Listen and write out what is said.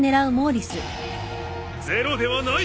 ゼロではない！